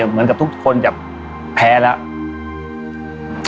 เหมือนกับทุกคนจะแพ้แล้ว